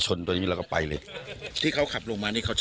ใช้เกียร์สอง